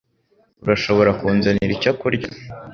Urashobora kunzanira icyo kurya?